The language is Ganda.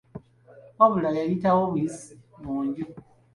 Wabula yayitawo buyisi mu nju.